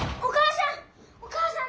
お母さん！